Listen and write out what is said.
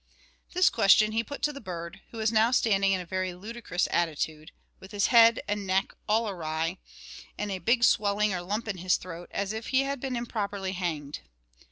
This question he put to the bird, who was now standing in a very ludicrous attitude, with his head and neck all awry, and a big swelling or lump in his throat, as if he had been improperly hanged.